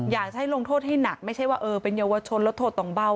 อยากจะให้ลงโทษให้หนักไม่ใช่ว่าเออเป็นเยาวชนแล้วโทษต้องเบา